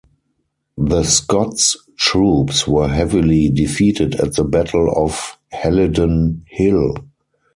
The Scots troops were heavily defeated at the Battle of Halidon Hill.